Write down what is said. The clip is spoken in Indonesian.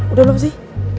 udah belum sih